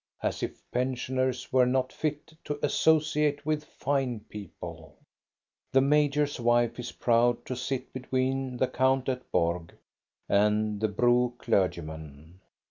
As if pensioners were not fit to associate with fine people ! The major's wife is proud to sit between the Count at Borg and the Bro clergyman.